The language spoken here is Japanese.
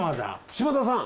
島田さん